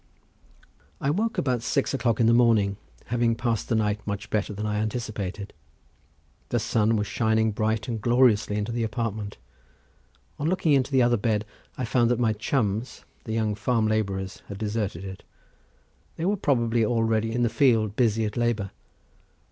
I awoke about six o'clock in the morning, having passed the night much better than I anticipated. The sun was shining bright and gloriously into the apartment. On looking into the other bed I found that my chums, the young farm labourers, had deserted it. They were probably already in the field busy at labour.